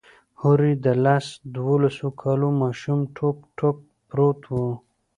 هورې د لس دولسو کالو ماشوم ټوک ټوک پروت و.